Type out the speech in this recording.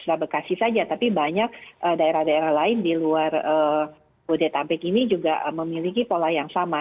kota bekasi saja tapi banyak daerah daerah lain di luar bodetabek ini juga memiliki pola yang sama